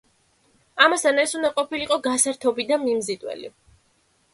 ამასთან ეს უნდა ყოფილიყო გასართობი და მიმზიდველი.